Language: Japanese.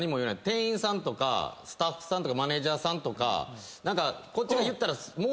店員さんとかスタッフさんとかマネジャーさんとか何かこっちが言ったら。